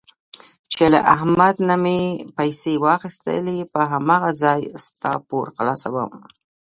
چې له احمد نه مې پیسې واخیستلې په هماغه ځای ستا پور خلاصوم.